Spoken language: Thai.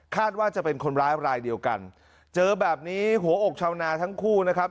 ว่าจะเป็นคนร้ายรายเดียวกันเจอแบบนี้หัวอกชาวนาทั้งคู่นะครับ